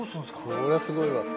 これはすごいわ。